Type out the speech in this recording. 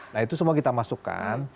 nah itu semua kita masukkan